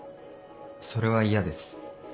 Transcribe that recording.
それは嫌です。